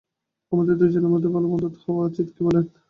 আমাদের দুজনের ভালো বন্ধু হওয়া উচিৎ, কী বলেন?